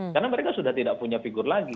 karena mereka sudah tidak punya figur lagi